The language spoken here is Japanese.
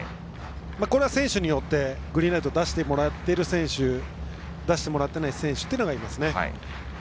これは選手によってグリーンライトを出してもらっている選手出してもらっていない選手はいますね。